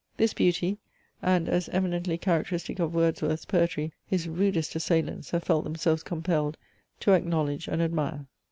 This beauty, and as eminently characteristic of Wordsworth's poetry, his rudest assailants have felt themselves compelled to acknowledge and admire.